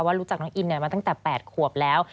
รู้จักน้องอินมาตั้งแต่๘ขวบแล้ว